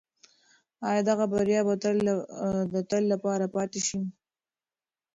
آیا دغه بریا به د تل لپاره پاتې شي؟